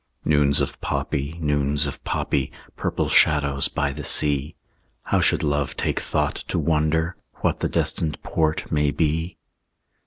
Noons of poppy, noons of poppy, Purple shadows by the sea; How should love take thought to wonder What the destined port may be?